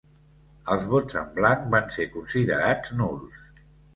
Els vots en blanc van ser considerats nuls.